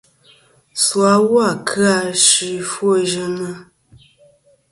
Su awu a kɨ-a ɨ suy ɨfwoyɨnɨ.